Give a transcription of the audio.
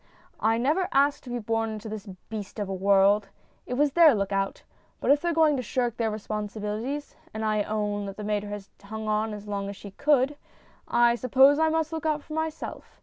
I never asked to be born into this beast of a world. It was their look out. But if they're going to shirk their responsibilities and I own that the mater has hung on as long as she could I suppose I must look out for myself.